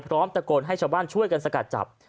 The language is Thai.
พร้อมตะโกนให้ชาวบ้านช่วยกันสกัดจับ